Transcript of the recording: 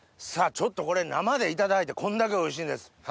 さぁこれ生でいただいてこんだけおいしいんです。